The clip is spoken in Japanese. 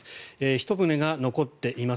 １棟が残っています。